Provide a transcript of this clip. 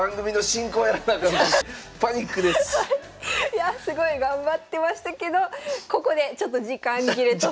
いやすごい頑張ってましたけどここでちょっと時間切れと。